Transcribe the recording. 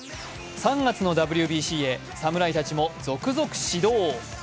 ３月のＷＢＣへ侍たちも続々始動。